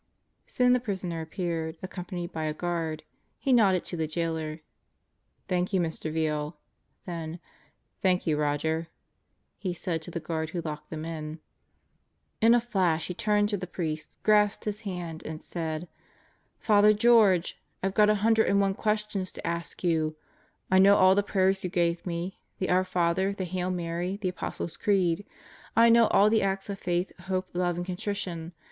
Soon the prisoner appeared, accompanied by a guard. He nodded to the Jailor. "Thank you, Mr. Veal." Then, "Thank you, Roger," he said to the guard who locked them in. In a flash he turned to the priest, grasped his hand and said, "Father George! 34 Sentenced to Birth 35 I've got a hundred and one questions to ask you. I know all the prayers you gave me: the Our Father, the Hail Mary, the Apostles' Creed. I know all the Acts of Faith, Hope, Love, and Contrition.